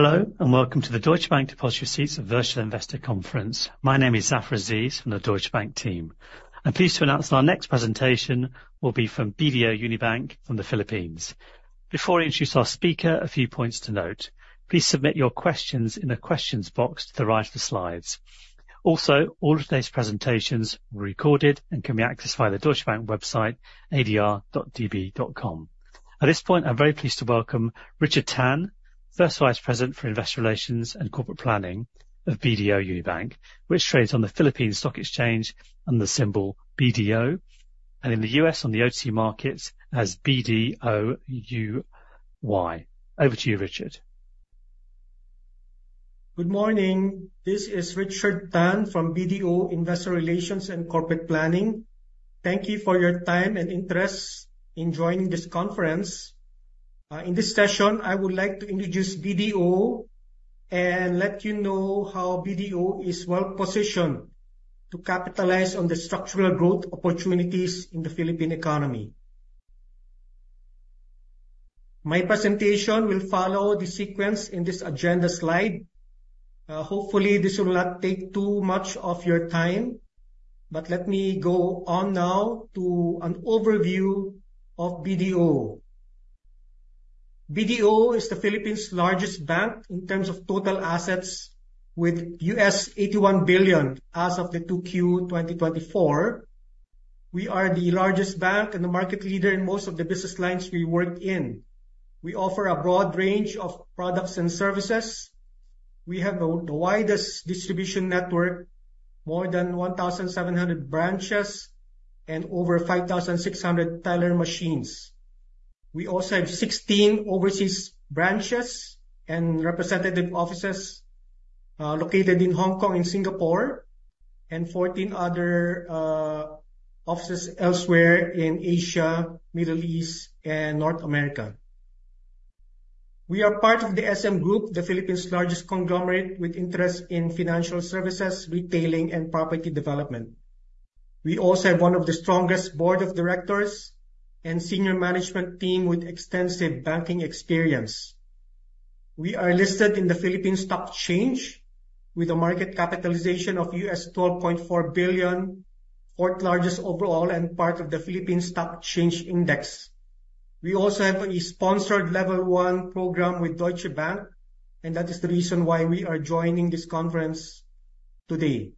Hello, welcome to the Deutsche Bank Depositary Receipts and Virtual Investor Conference. My name is Zafar Aziz from the Deutsche Bank team. I'm pleased to announce our next presentation will be from BDO Unibank from the Philippines. Before I introduce our speaker, a few points to note. Please submit your questions in the questions box to the right of the slides. All of today's presentations were recorded and can be accessed via the Deutsche Bank website, adr.db.com. At this point, I'm very pleased to welcome Richard Tan, first vice president for investor relations and corporate planning of BDO Unibank, which trades on the Philippine Stock Exchange under the symbol BDO, and in the U.S. on the OTC Markets as BDOUY. Over to you, Richard. Good morning. This is Richard Tan from BDO Investor Relations and Corporate Planning. Thank you for your time and interest in joining this conference. In this session, I would like to introduce BDO and let you know how BDO is well-positioned to capitalize on the structural growth opportunities in the Philippine economy. My presentation will follow the sequence in this agenda slide. Hopefully, this will not take too much of your time. Let me go on now to an overview of BDO. BDO is the Philippines' largest bank in terms of total assets with US$81 billion as of the 2Q 2024. We are the largest bank and the market leader in most of the business lines we work in. We offer a broad range of products and services. We have the widest distribution network, more than 1,700 branches, and over 5,600 teller machines. We also have 16 overseas branches and representative offices, located in Hong Kong and Singapore, and 14 other offices elsewhere in Asia, Middle East, and North America. We are part of the SM Group, the Philippines' largest conglomerate with interest in financial services, retailing, and property development. We also have one of the strongest board of directors and senior management team with extensive banking experience. We are listed in the Philippine Stock Exchange with a market capitalization of US$12.4 billion, fourth largest overall and part of the Philippine Stock Exchange Index. We also have a sponsored level one program with Deutsche Bank. That is the reason why we are joining this conference today.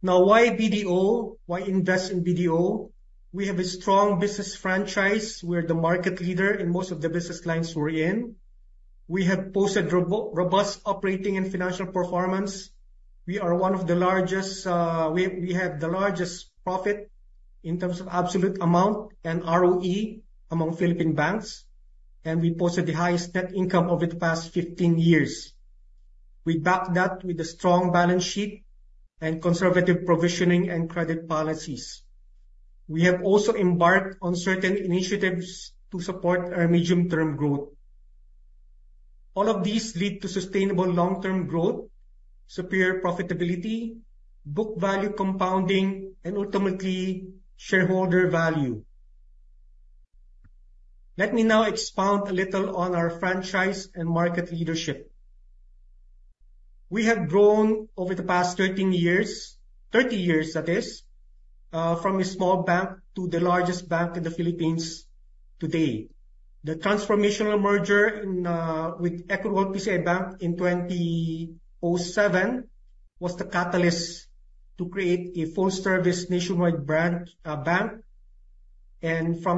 Why BDO? Why invest in BDO? We have a strong business franchise. We're the market leader in most of the business lines we're in. We have posted robust operating and financial performance. We have the largest profit in terms of absolute amount and ROE among Philippine banks. We posted the highest net income over the past 15 years. We back that with a strong balance sheet and conservative provisioning and credit policies. We have also embarked on certain initiatives to support our medium-term growth. All of these lead to sustainable long-term growth, superior profitability, book value compounding, and ultimately, shareholder value. Let me now expound a little on our franchise and market leadership. We have grown over the past 13 years, 30 years that is, from a small bank to the largest bank in the Philippines today. The transformational merger with Equitable PCI Bank in 2007 was the catalyst to create a full-service nationwide bank. From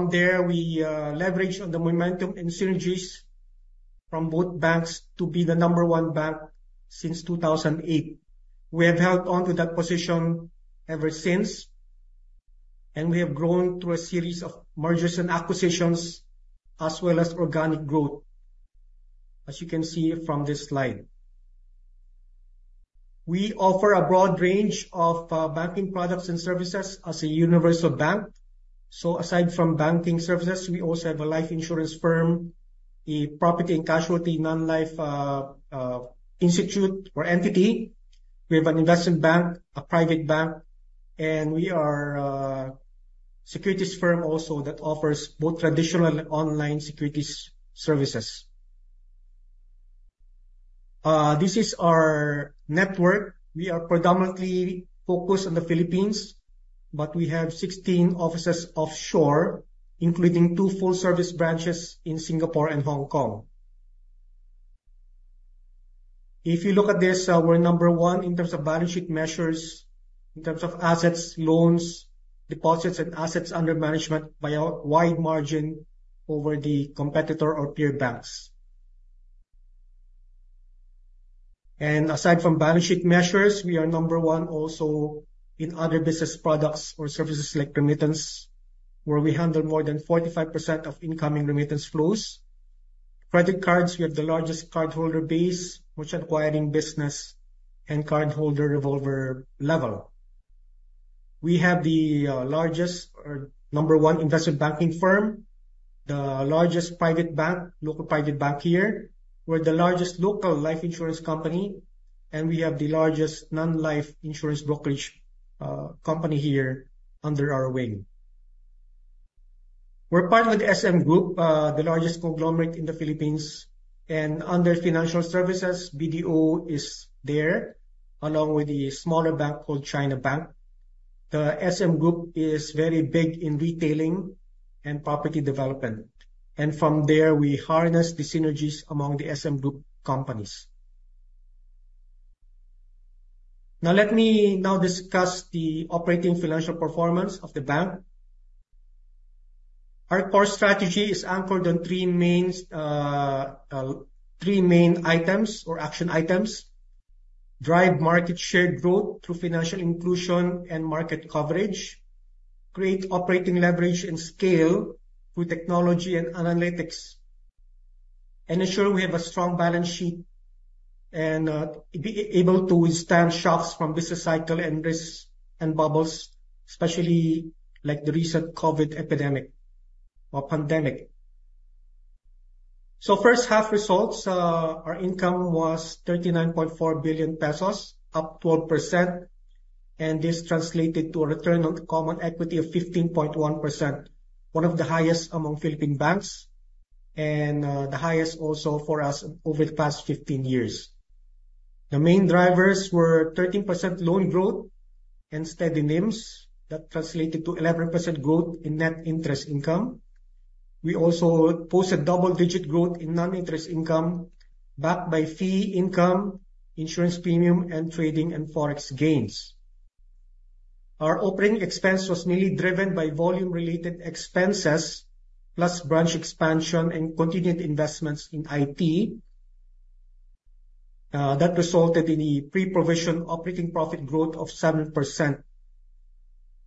there, we leveraged on the momentum and synergies from both banks to be the number 1 bank since 2008. We have held on to that position ever since. We have grown through a series of mergers and acquisitions, as well as organic growth, as you can see from this slide. We offer a broad range of banking products and services as a universal bank. Aside from banking services, we also have a life insurance firm, a property and casualty non-life insurer or entity. We have an investment bank, a private bank, and we are a securities firm also that offers both traditional and online securities services. This is our network. We are predominantly focused on the Philippines, but we have 16 offices offshore, including two full-service branches in Singapore and Hong Kong. If you look at this, we're number one in terms of balance sheet measures, in terms of assets, loans, deposits, and assets under management by a wide margin over the competitor or peer banks. Aside from balance sheet measures, we are number one also in other business products or services like remittance, where we handle more than 45% of incoming remittance flows. Credit cards, we have the largest cardholder base, merchant acquiring business, and cardholder revolver level. We have the largest or number one investment banking firm, the largest private bank, local private bank here. We're the largest local life insurance company, and we have the largest non-life insurance brokerage company here under our wing. We're part of the SM Group, the largest conglomerate in the Philippines. Under financial services, BDO is there, along with the smaller bank called China Bank. The SM Group is very big in retailing and property development. From there, we harness the synergies among the SM Group companies. Let me now discuss the operating financial performance of the bank. Our core strategy is anchored on three main items or action items: drive market share growth through financial inclusion and market coverage, create operating leverage and scale through technology and analytics, and ensure we have a strong balance sheet and be able to withstand shocks from business cycle and risks and bubbles, especially like the recent COVID epidemic or pandemic. First half results, our income was 39.4 billion pesos, up 12%, and this translated to a return on common equity of 15.1%, one of the highest among Philippine banks and the highest also for us over the past 15 years. The main drivers were 13% loan growth and steady NIMs that translated to 11% growth in net interest income. We also posted double-digit growth in non-interest income backed by fee income, insurance premium, and trading and Forex gains. Our operating expense was mainly driven by volume-related expenses, plus branch expansion and continued investments in IT. That resulted in a pre-provision operating profit growth of 7%.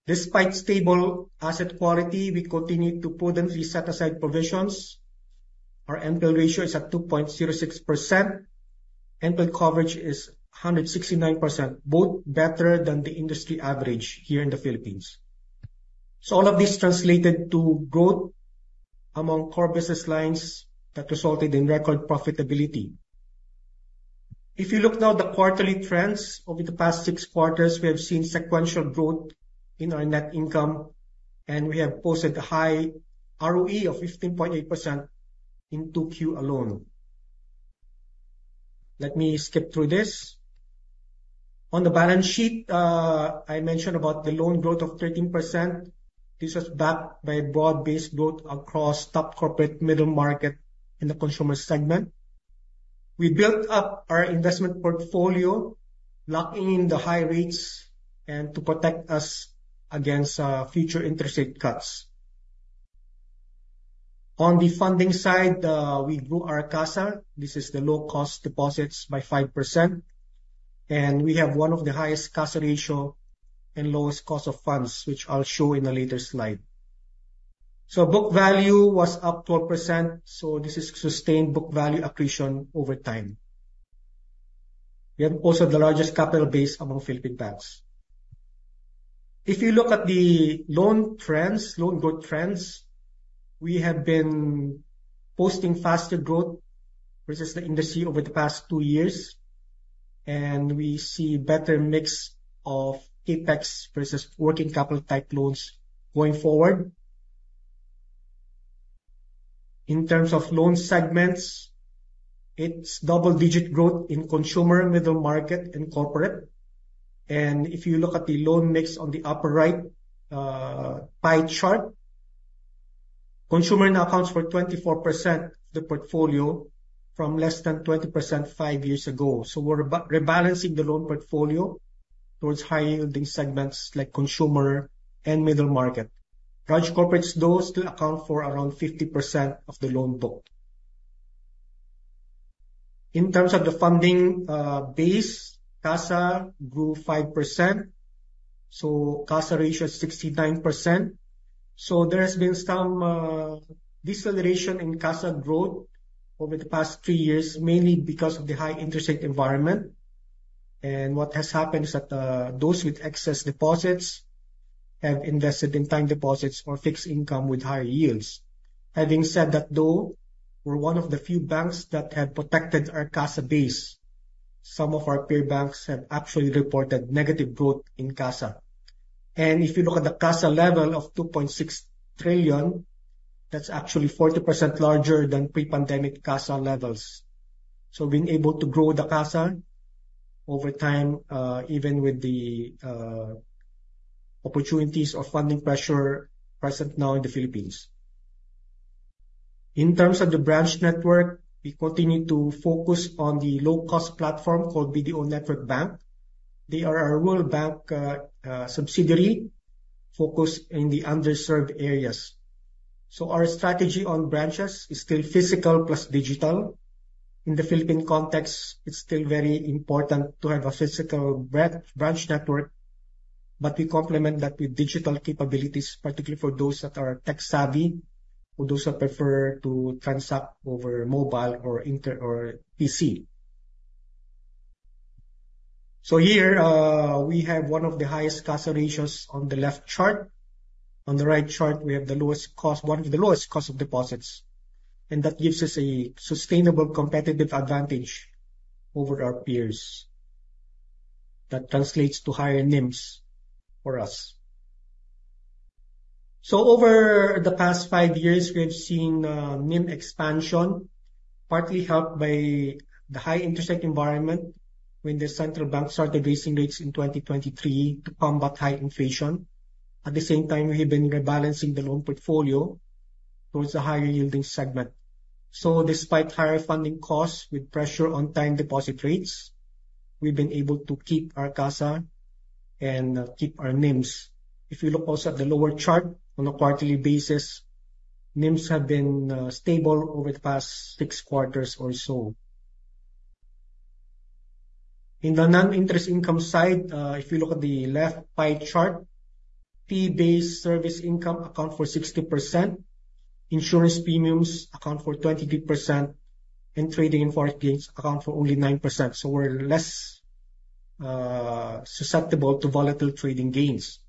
Despite stable asset quality, we continue to prudently set aside provisions. Our NPL ratio is at 2.06%. NPL coverage is 169%, both better than the industry average here in the Philippines. All of this translated to growth among core business lines that resulted in record profitability. If you look now at the quarterly trends, over the past six quarters, we have seen sequential growth in our net income, and we have posted a high ROE of 15.8% in 2Q alone. Let me skip through this. On the balance sheet, I mentioned about the loan growth of 13%. This was backed by broad-based growth across top corporate middle market in the consumer segment. We built up our investment portfolio, locking in the high rates and to protect us against future interest rate cuts. On the funding side, we grew our CASA. This is the low-cost deposits by 5%, and we have one of the highest CASA ratio and lowest cost of funds, which I'll show in a later slide. Book value was up 12%, this is sustained book value accretion over time. We have also the largest capital base among Philippine banks. If you look at the loan growth trends, we have been posting faster growth versus the industry over the past two years, and we see better mix of CAPEX versus working capital type loans going forward. In terms of loan segments, it's double-digit growth in consumer, middle market, and corporate. If you look at the loan mix on the upper right pie chart, consumer now accounts for 24% of the portfolio from less than 20% five years ago. We're rebalancing the loan portfolio towards high-yielding segments like consumer and middle market. Large corporates, though, still account for around 50% of the loan book. In terms of the funding base, CASA grew 5%, CASA ratio is 69%. There has been some deceleration in CASA growth over the past three years, mainly because of the high interest rate environment. What has happened is that those with excess deposits have invested in time deposits or fixed income with higher yields. Having said that, though, we're one of the few banks that have protected our CASA base. Some of our peer banks have actually reported negative growth in CASA. If you look at the CASA level of 2.6 trillion, that's actually 40% larger than pre-pandemic CASA levels. Being able to grow the CASA over time, even with the opportunities of funding pressure present now in the Philippines. In terms of the branch network, we continue to focus on the low-cost platform called BDO Network Bank. They are our rural bank subsidiary focused in the underserved areas. Our strategy on branches is still physical plus digital. In the Philippine context, it's still very important to have a physical branch network. We complement that with digital capabilities, particularly for those that are tech-savvy or those that prefer to transact over mobile or PC. Here, we have one of the highest CASA ratios on the left chart. On the right chart, we have one of the lowest cost of deposits, and that gives us a sustainable competitive advantage over our peers. That translates to higher NIMs for us. Over the past five years, we have seen NIM expansion partly helped by the high interest rate environment when the central bank started raising rates in 2023 to combat high inflation. At the same time, we have been rebalancing the loan portfolio towards the higher yielding segment. Despite higher funding costs with pressure on time deposit rates, we've been able to keep our CASA and keep our NIMs. If you look also at the lower chart on a quarterly basis, NIMs have been stable over the past six quarters or so. In the non-interest income side, if you look at the left pie chart, fee-based service income account for 60%, insurance premiums account for 23%, and trading and foreign gains account for only 9%. We're less susceptible to volatile trading gains.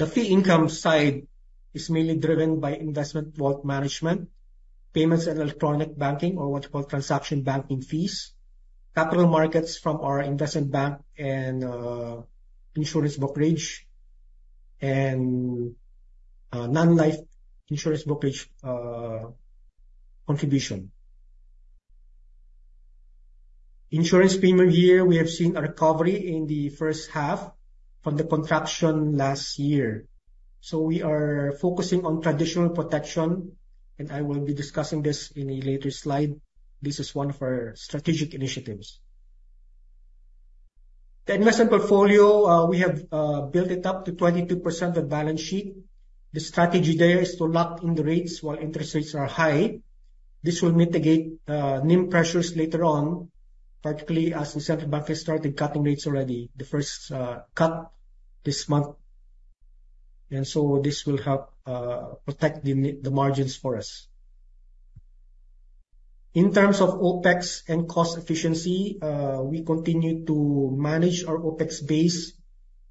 The fee income side is mainly driven by investment wealth management, payments and electronic banking, or what you call transaction banking fees, capital markets from our investment bank and insurance brokerage, and non-life insurance brokerage contribution. Insurance premium year, we have seen a recovery in the first half from the contraction last year. We are focusing on traditional protection, and I will be discussing this in a later slide. This is one of our strategic initiatives. The investment portfolio, we have built it up to 22% of the balance sheet. The strategy there is to lock in the rates while interest rates are high. This will mitigate NIM pressures later on, particularly as the central bank has started cutting rates already, the first cut this month. This will help protect the margins for us. In terms of OPEX and cost efficiency, we continue to manage our OPEX base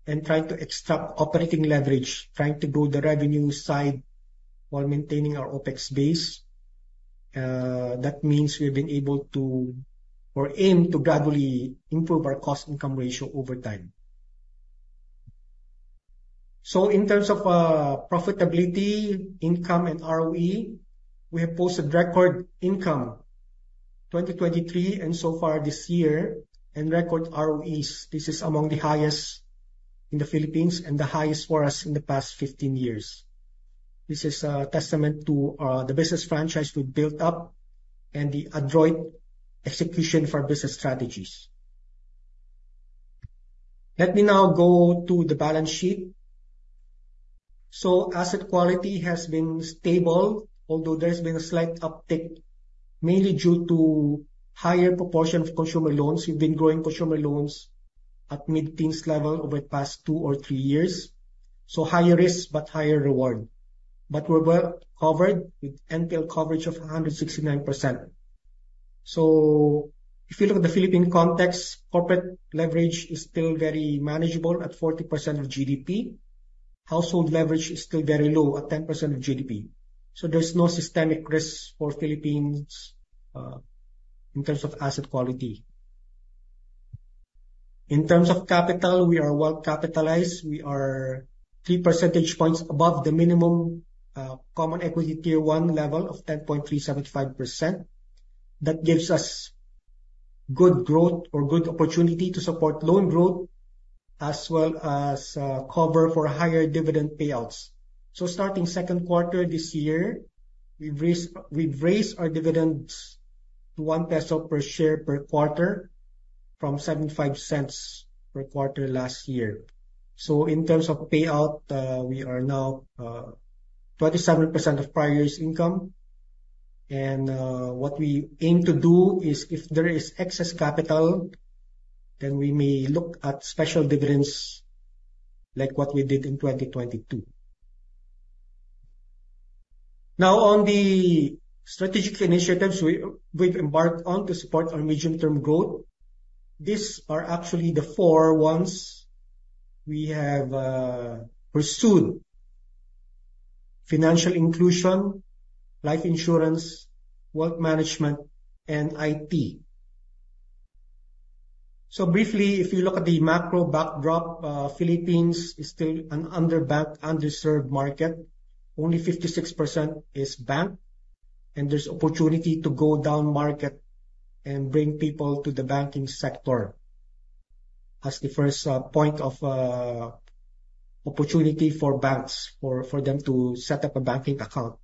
and try to extract operating leverage, trying to grow the revenue side while maintaining our OPEX base. That means we've been able to or aim to gradually improve our cost income ratio over time. In terms of profitability, income, and ROE, we have posted record income 2023 and so far this year in record ROEs. This is among the highest in the Philippines and the highest for us in the past 15 years. This is a testament to the business franchise we built up and the adroit execution for business strategies. Let me now go to the balance sheet. Asset quality has been stable, although there's been a slight uptick, mainly due to higher proportion of consumer loans. We've been growing consumer loans at mid-teens level over the past two or three years, so higher risk, but higher reward. We're well covered with NPL coverage of 169%. If you look at the Philippine context, corporate leverage is still very manageable at 40% of GDP. Household leverage is still very low at 10% of GDP. There's no systemic risk for Philippines, in terms of asset quality. In terms of capital, we are well capitalized. We are three percentage points above the minimum Common Equity Tier 1 level of 10.375%. That gives us good growth or good opportunity to support loan growth as well as cover for higher dividend payouts. Starting second quarter this year, we've raised our dividends to 1 peso per share per quarter from 0.75 per quarter last year. In terms of payout, we are now 27% of prior year's income. What we aim to do is if there is excess capital, then we may look at special dividends like what we did in 2022. Now on the strategic initiatives we've embarked on to support our medium-term growth, these are actually the four ones we have pursued: financial inclusion, life insurance, wealth management, and IT. Briefly, if you look at the macro backdrop, Philippines is still an underbanked, underserved market. Only 56% is banked, and there's opportunity to go down market and bring people to the banking sector as the first point of opportunity for banks for them to set up a banking account.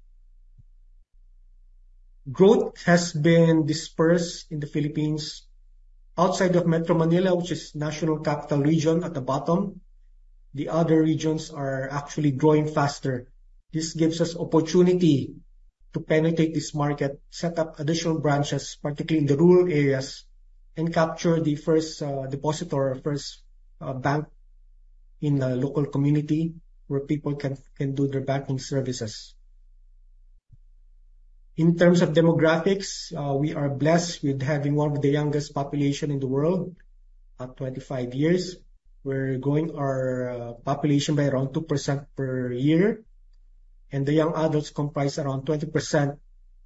Growth has been dispersed in the Philippines outside of Metro Manila, which is National Capital Region at the bottom. The other regions are actually growing faster. This gives us opportunity to penetrate this market, set up additional branches, particularly in the rural areas, and capture the first depositor or first bank in the local community where people can do their banking services. In terms of demographics, we are blessed with having one of the youngest population in the world at 25 years. We're growing our population by around 2% per year. The young adults comprise around 20%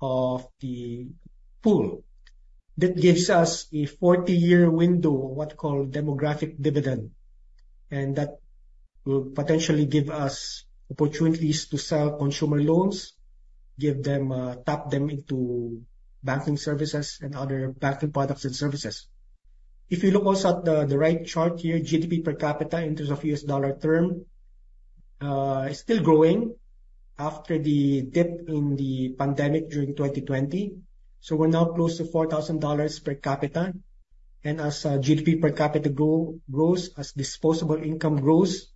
of the pool. That gives us a 40-year window, or what's called demographic dividend. That will potentially give us opportunities to sell consumer loans, tap them into banking services and other banking products and services. If you look also at the right chart here, GDP per capita in terms of U.S. dollar term, is still growing after the dip in the pandemic during 2020. We're now close to $4,000 per capita. As GDP per capita grows, as disposable income grows,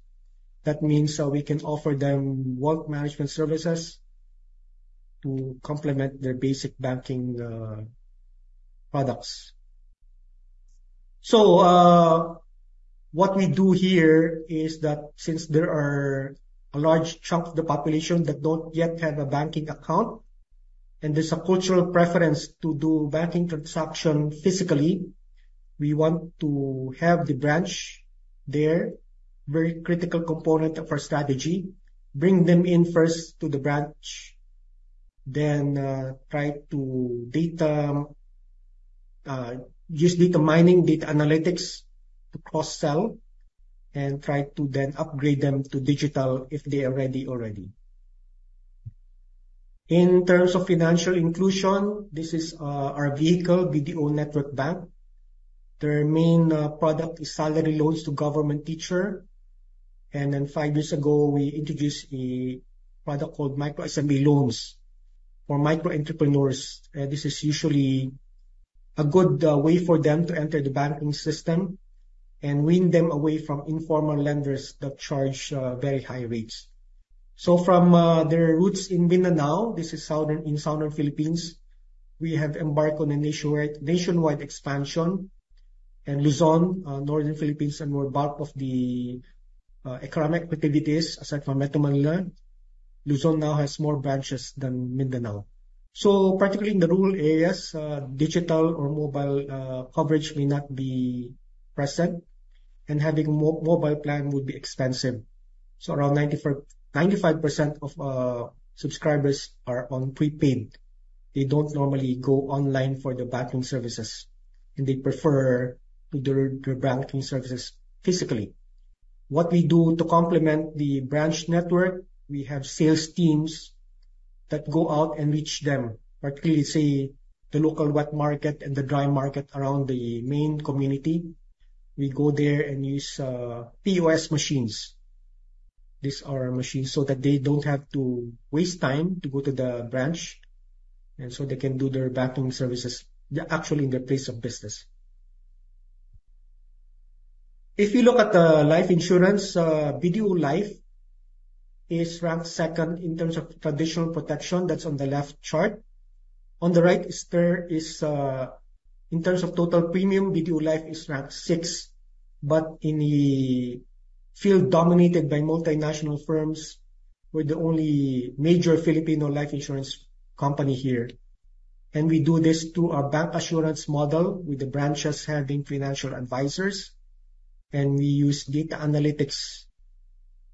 that means that we can offer them wealth management services to complement their basic banking products. What we do here is that since there are a large chunk of the population that don't yet have a banking account, and there's a cultural preference to do banking transaction physically, we want to have the branch there, very critical component of our strategy, bring them in first to the branch, then use data mining, data analytics to cross-sell, and try to then upgrade them to digital if they are ready already. In terms of financial inclusion, this is our vehicle, BDO Network Bank. Their main product is salary loans to government teacher. Then five years ago, we introduced a product called Micro SME Loans for micro entrepreneurs. This is usually a good way for them to enter the banking system and wean them away from informal lenders that charge very high rates. From their roots in Mindanao, this is in southern Philippines, we have embarked on a nationwide expansion in Luzon, northern Philippines, and where bulk of the economic activities, aside from Metro Manila. Luzon now has more branches than Mindanao. Particularly in the rural areas, digital or mobile coverage may not be present and having mobile plan would be expensive. Around 95% of subscribers are on prepaid. They don't normally go online for the banking services, and they prefer to do their banking services physically. What we do to complement the branch network, we have sales teams that go out and reach them, particularly, say, the local wet market and the dry market around the main community. We go there and use POS machines. These are our machines, that they don't have to waste time to go to the branch, and they can do their banking services actually in their place of business. If you look at the life insurance, BDO Life is ranked second in terms of traditional protection, that's on the left chart. On the right, in terms of total premium, BDO Life is ranked sixth. In the field dominated by multinational firms, we're the only major Filipino life insurance company here. We do this through our bancassurance model, with the branches having financial advisors. We use data analytics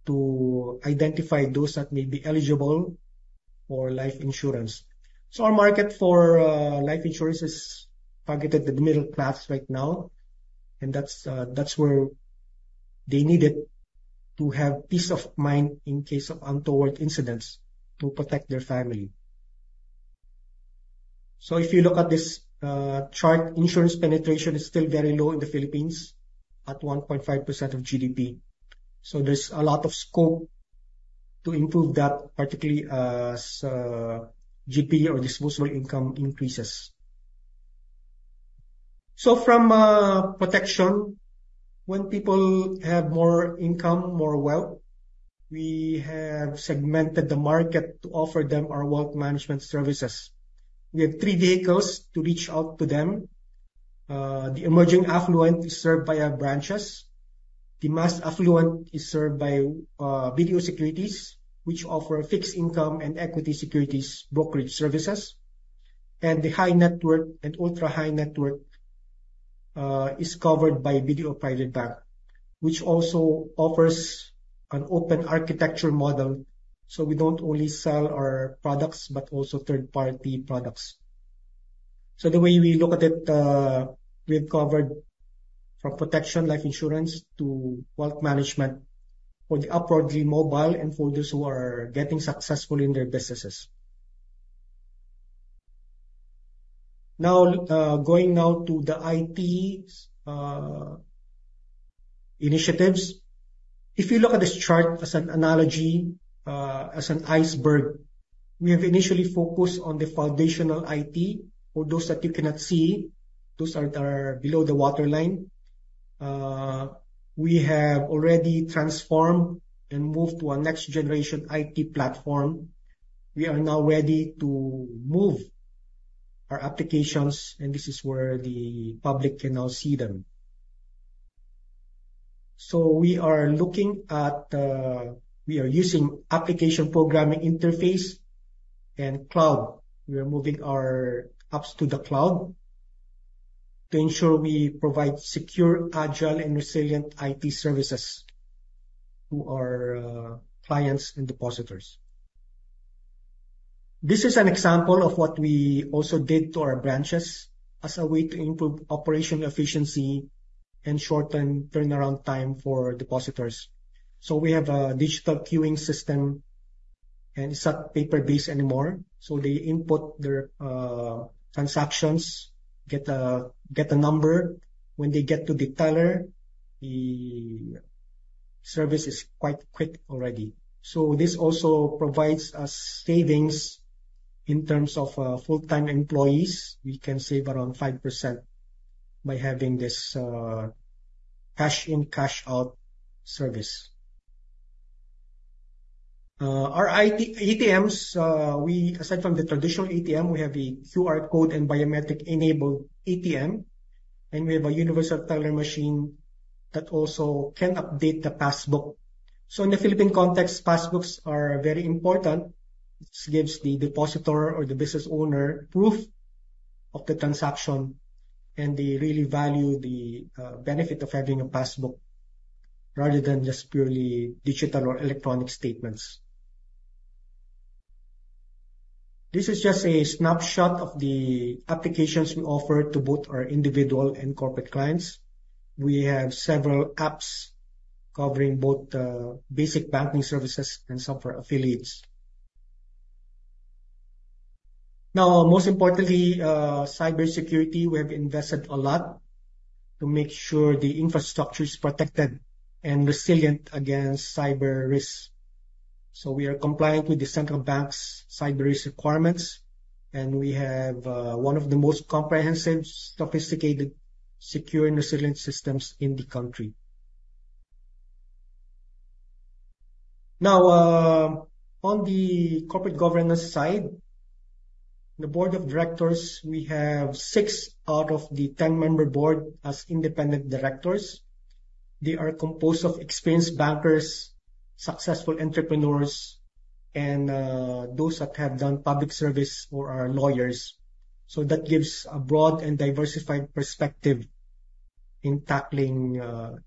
to identify those that may be eligible for life insurance. Our market for life insurance is targeted at the middle class right now, and that's where they needed to have peace of mind in case of untoward incidents to protect their family. If you look at this chart, insurance penetration is still very low in the Philippines at 1.5% of GDP. There's a lot of scope to improve that, particularly as GDP or disposable income increases. From protection, when people have more income, more wealth, we have segmented the market to offer them our wealth management services. We have three vehicles to reach out to them. The emerging affluent is served via branches. The mass affluent is served by BDO Securities, which offer fixed income and equity securities brokerage services. The high net worth and ultra-high net worth is covered by BDO Private Bank, which also offers an open architecture model. We don't only sell our products, but also third-party products. The way we look at it, we have covered from protection, life insurance, to wealth management for the upwardly mobile and for those who are getting successful in their businesses. Going now to the IT initiatives. If you look at this chart as an analogy, as an iceberg, we have initially focused on the foundational IT. For those that you cannot see, those are below the waterline. We have already transformed and moved to a next-generation IT platform. We are now ready to move our applications, and this is where the public can now see them. We are using application programming interface and cloud. We are moving our apps to the cloud. To ensure we provide secure, agile, and resilient IT services to our clients and depositors. This is an example of what we also did to our branches as a way to improve operation efficiency and shorten turnaround time for depositors. We have a digital queuing system, and it's not paper-based anymore. They input their transactions, get a number. When they get to the teller, the service is quite quick already. This also provides us savings in terms of full-time employees. We can save around 5% by having this cash in, cash out service. Our ATMs, aside from the traditional ATM, we have a QR code and biometric-enabled ATM, and we have a Universal Teller Machine that also can update the passbook. In the Philippine context, passbooks are very important, which gives the depositor or the business owner proof of the transaction, and they really value the benefit of having a passbook rather than just purely digital or electronic statements. This is just a snapshot of the applications we offer to both our individual and corporate clients. We have several apps covering both basic banking services and some for affiliates. Most importantly, cybersecurity, we have invested a lot to make sure the infrastructure is protected and resilient against cyber risks. We are compliant with the Central Bank's cyber risk requirements, and we have one of the most comprehensive, sophisticated, secure, and resilient systems in the country. On the corporate governance side, the board of directors, we have six out of the 10-member board as independent directors. That gives a broad and diversified perspective in tackling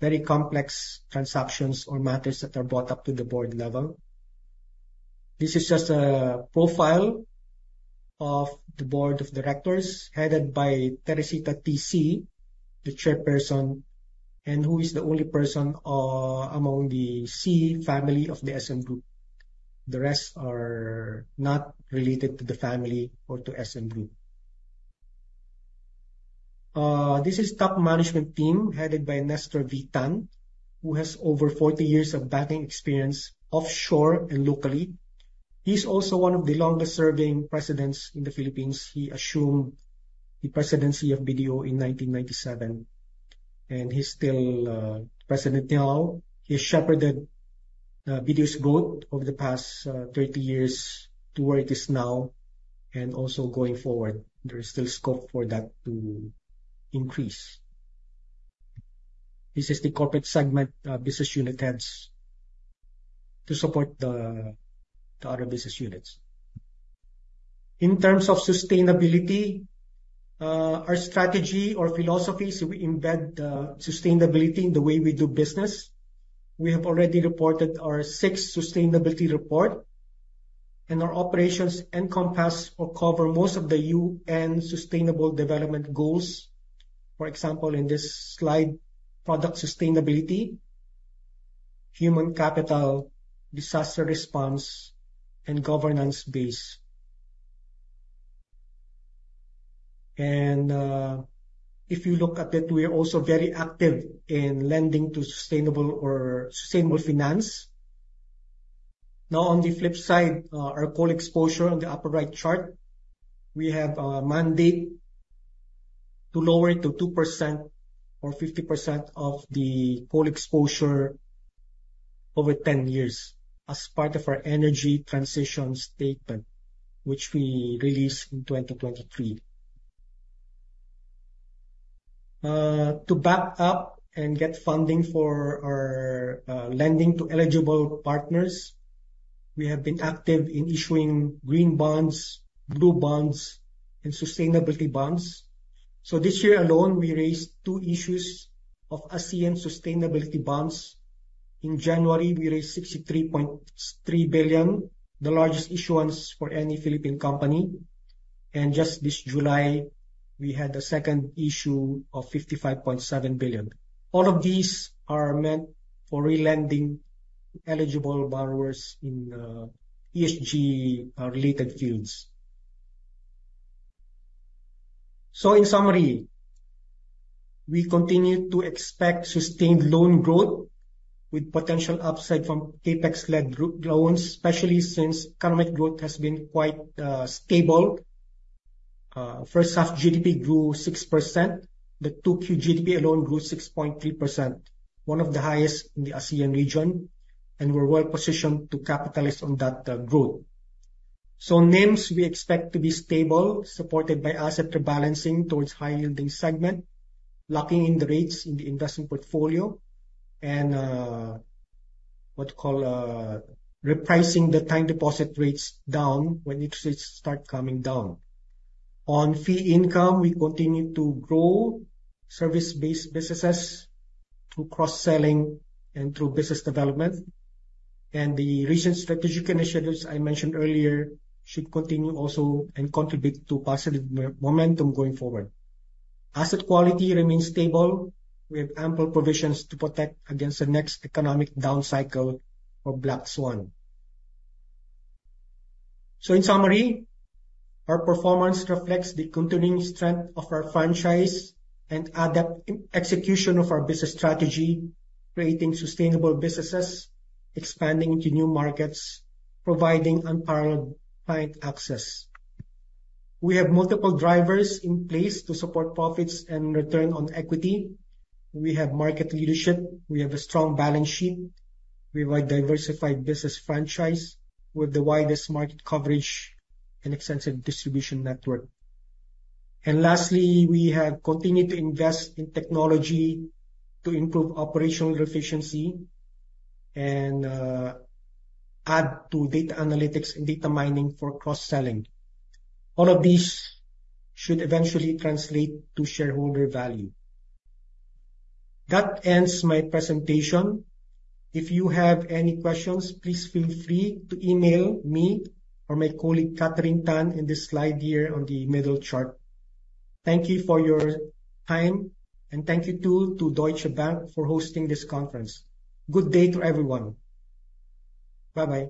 very complex transactions or matters that are brought up to the board level. This is just a profile of the board of directors, headed by Teresita TC, the Chairperson, and who is the only person among the Sy family of the SM Group. The rest are not related to the family or to SM Group. This is top management team headed by Nestor V. Tan, who has over 40 years of banking experience offshore and locally. He is also one of the longest-serving presidents in the Philippines. He assumed the presidency of BDO in 1997, and he is still president now. He has shepherded BDO's growth over the past 30 years to where it is now, and also going forward. There is still scope for that to increase. This is the corporate segment business unit heads to support the other business units. In terms of sustainability, our strategy or philosophy, we embed sustainability in the way we do business. We have already reported our sixth sustainability report, and our operations encompass or cover most of the UN Sustainable Development Goals. For example, in this slide, product sustainability, human capital, disaster response, and governance base. If you look at it, we are also very active in lending to sustainable or sustainable finance. Now, on the flip side, our coal exposure on the upper right chart, we have a mandate to lower it to 2% or 50% of the coal exposure over 10 years as part of our energy transition statement, which we released in 2023. To back up and get funding for our lending to eligible partners, we have been active in issuing green bonds, blue bonds, and sustainability bonds. This year alone, we raised two issues of ASEAN sustainability bonds. In January, we raised 63.3 billion, the largest issuance for any Philippine company. Just this July, we had the second issue of 55.7 billion. All of these are meant for re-lending to eligible borrowers in ESG-related fields. In summary, we continue to expect sustained loan growth with potential upside from CapEx-led group loans, especially since economic growth has been quite stable. First half GDP grew 6%. The 2Q GDP alone grew 6.3%, one of the highest in the ASEAN region, and we are well-positioned to capitalize on that growth. NIMs we expect to be stable, supported by asset rebalancing towards high-yielding segment, locking in the rates in the investment portfolio, and what do you call, repricing the time deposit rates down when interest rates start coming down. On fee income, we continue to grow service-based businesses through cross-selling and through business development. The recent strategic initiatives I mentioned earlier should continue also and contribute to positive momentum going forward. Asset quality remains stable. We have ample provisions to protect against the next economic down cycle or black swan. In summary, our performance reflects the continuing strength of our franchise and adept execution of our business strategy, creating sustainable businesses, expanding into new markets, providing unparalleled client access. We have multiple drivers in place to support profits and return on equity. We have market leadership. We have a strong balance sheet. We have a diversified business franchise with the widest market coverage and extensive distribution network. Lastly, we have continued to invest in technology to improve operational efficiency and add to data analytics and data mining for cross-selling. All of these should eventually translate to shareholder value. That ends my presentation. If you have any questions, please feel free to email me or my colleague, Catherine Tan, in this slide here on the middle chart. Thank you for your time, and thank you, too, to Deutsche Bank for hosting this conference. Good day to everyone. Bye-bye.